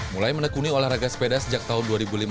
mulai menekuni olahraga sepeda sejak tahun dua ribu lima belas